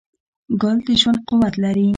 ګل د ژوند قوت لري.